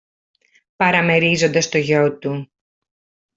παραμερίζοντας το γιο του.